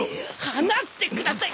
離してください。